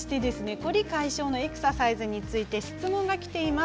凝り解消のエクササイズについて質問がきています。